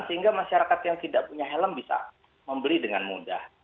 sehingga masyarakat yang tidak punya helm bisa membeli dengan mudah